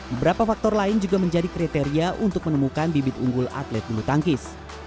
beberapa faktor lain juga menjadi kriteria untuk menemukan bibit unggul atlet bulu tangkis